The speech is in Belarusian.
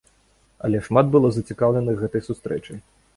Але шмат было зацікаўленых гэтай сустрэчай.